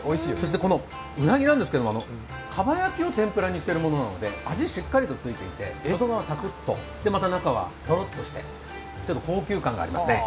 このうなぎなんですけれども、かば焼きを天ぷらにしているので味がしっかりとついていて、外側はサクッと、中はとろっとして、高級感がありますね。